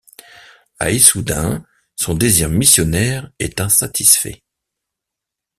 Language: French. A Issoudun son désir missionnaire est insatisfait.